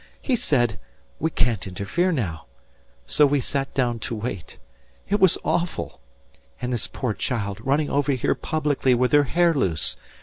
He said: 'We can't interfere now.' So we sat down to wait. It was awful. And this poor child running over here publicly with her hair loose.